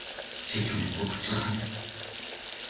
Sie tun gut daran!